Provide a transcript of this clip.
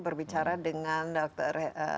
berbicara dengan dr